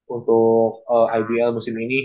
untuk ibl musim ini